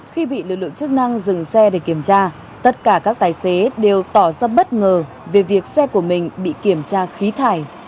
khi bị lực lượng chức năng dừng xe để kiểm tra tất cả các tài xế đều tỏ ra bất ngờ về việc xe của mình bị kiểm tra khí thải